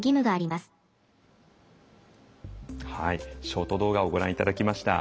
ショート動画をご覧いただきました。